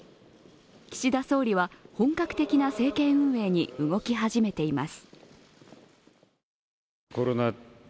岸田総理は本格的な政権運営に動きだしています。